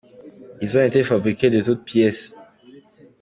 Ils ont été fabriqués de toutes pièces.